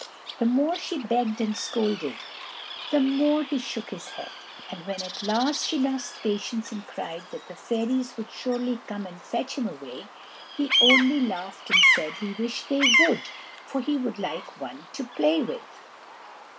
The more she begged and scolded, the more he shook his head; and when at last she lost patience and cried that the fairies would surely come and fetch him away, he only laughed and said he wished they would, for he would like one to play with.